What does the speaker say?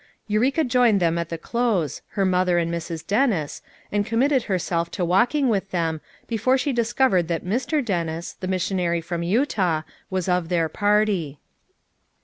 Eureka joined them at the close, her mother and Mrs. Dennis, and committed herself to walking with them, before she discovered that Mr. Dennis, the missionary from Utah, was of their party.